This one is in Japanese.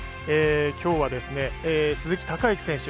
きょうは鈴木孝幸選手